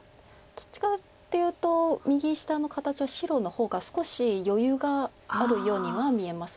どっちかっていうと右下の形は白の方が少し余裕があるようには見えます。